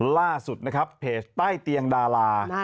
ล่าสุดนะครับเพจใต้เตียงดารา